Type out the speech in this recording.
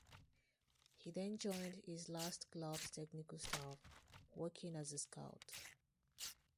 He then joined his last club's technical staff, working as a scout.